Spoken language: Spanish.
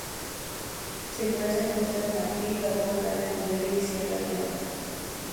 Se encuentra en Costa de Marfil, Gabón, Ghana, Liberia, y Sierra Leone.